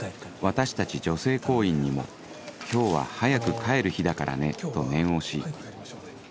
私たち女性行員にも「今日は早く帰る日だからね」と念押し今日は早く帰りましょうね。